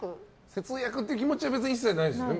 節約っていう気持ちは一切ないんですね。